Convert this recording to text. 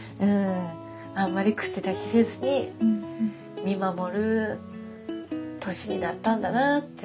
あんまり口出しせずに見守る年になったんだなって思うし。